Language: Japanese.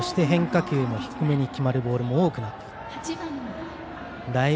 変化球も低めに決まるボールも多くなってきた。